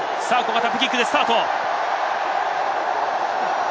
タップキックでスタート。